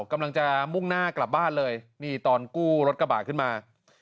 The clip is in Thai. กำลังจะมุ่งหน้ากลับบ้านเลยนี่ตอนกู้รถกระบะขึ้นมา